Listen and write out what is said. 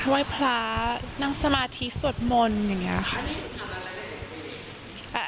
ไหว้พระนั่งสมาธิสวดมนต์อย่างนี้ค่ะ